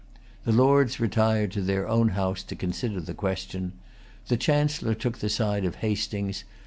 The Lords retired to their own House to consider the question. The Chancellor took the side of Hastings.